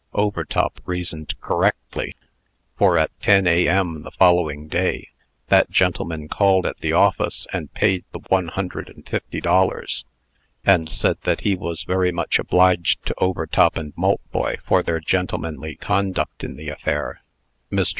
Overtop reasoned correctly; for, at ten A.M. the following day, that gentleman called at the office and paid the one hundred and fifty dollars, and said that he was very much obliged to Overtop & Maltboy for their gentlemanly conduct in the affair. Mr.